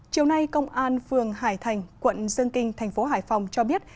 chiều nay công an phường hải thành quận dương kinh thành phố hải phòng cho biết